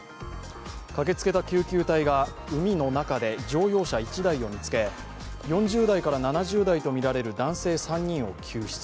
駆けつけた救急隊が海の中で乗用車１台を見つけ４０代から７０代とみられる男性３人を救出。